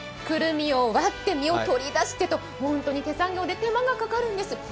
くるみを割って身を取り出してと本当に手作業で手間がかかるんです。